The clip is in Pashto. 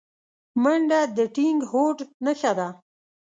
منډه د ټینګ هوډ نښه ده